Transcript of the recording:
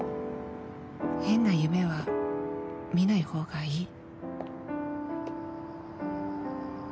変な夢は見ないほうがいい。